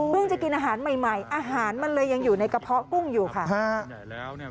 จะกินอาหารใหม่อาหารมันเลยยังอยู่ในกระเพาะกุ้งอยู่ค่ะ